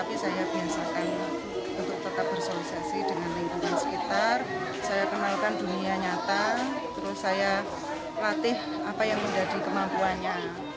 terus saya biasakan untuk sosialisasi ke sekitarnya